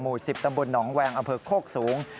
หมู่๑๐ตำบลหนองแหวงอำเภิกโคกสูง